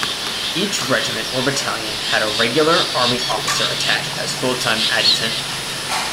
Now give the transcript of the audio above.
Each regiment or battalion had a Regular Army officer attached as full-time adjutant.